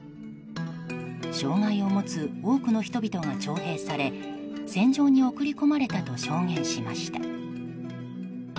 障害を持つ多くの人々が徴兵され戦場に送り込まれたと証言しました。